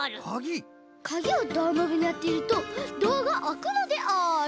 カギをドアノブにあてるとドアがあくのである。